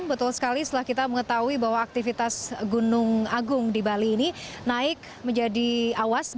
betul sekali setelah kita mengetahui bahwa aktivitas gunung agung di bali ini naik menjadi awas